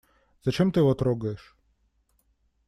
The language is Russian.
Зачем ты его трогаешь?